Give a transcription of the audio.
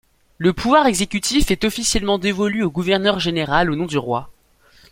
Le pouvoir exécutif est officiellement dévolu au Gouverneur général au nom du roi.